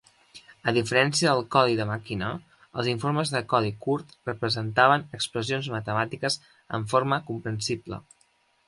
A diferència del codi de màquina, els informes de codi curt representaven expressions matemàtiques en forma comprensible.